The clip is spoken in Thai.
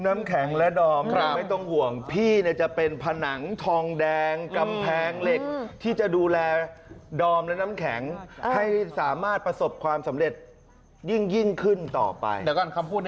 ไม่เชื่อตั้งแต่เปิดปากคำแรก